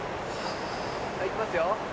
はいいきますよ。